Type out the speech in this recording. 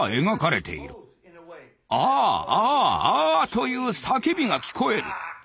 という叫びが聞こえる。